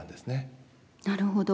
なるほど。